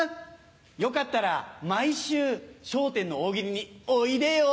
よかったら毎週『笑点』の大喜利においでよ。